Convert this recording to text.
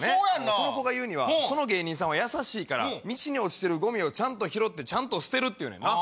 その子が言うにはその芸人さんは優しいから道に落ちてるゴミを拾ってちゃんと捨てるって言うねん。